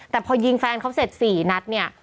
แต่พอยิงแฟนเขาเสร็จ๔นัดเนี่ย